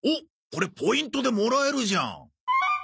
これポイントでもらえるじゃん。